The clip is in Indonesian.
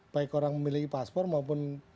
baik orang memiliki paspor maupun